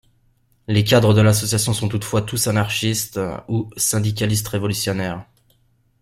Les cadres de l'association sont toutefois tous anarchistes ou syndicalistes révolutionnaires.